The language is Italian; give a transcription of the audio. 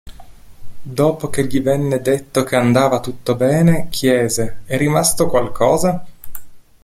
Dopo che gli venne detto che andava tutto bene, chiese: "È rimasto qualcosa?".